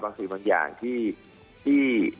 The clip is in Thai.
สิ่งบางอย่างที่